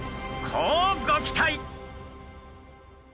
こうご期待！